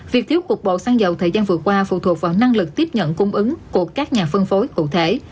việc thiếu cục bộ sang dầu thời gian vừa qua phụ thuộc vào năng lực tiếp nhận cung ứng của các nhà phân phối cụ thể